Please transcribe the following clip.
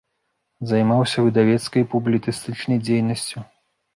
Займаўся выдавецкай і публіцыстычнай дзейнасцю.